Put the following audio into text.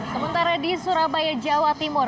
sementara di surabaya jawa timur